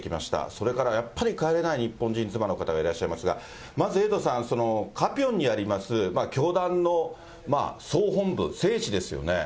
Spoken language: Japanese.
それからやっぱり帰れない日本人妻の方がいらっしゃいますが、まずエイトさん、カピョンにあります、教団の総本部、聖地ですよね。